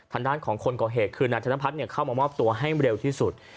ทางด้านของคนก่อเหตุคือนายธนพัฒน์เข้ามามอบตัวให้เร็วที่สุด